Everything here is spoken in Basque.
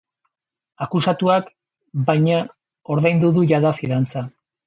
Akusatuak, baina, ordaindu du jada fidantza.